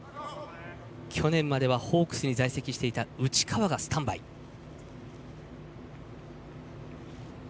去年まではホークスに在籍していた内川がスタンバイです。